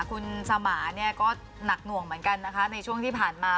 คุณสมาเนี่ยก็หนักหน่วงเหมือนกันนะคะในช่วงที่ผ่านมา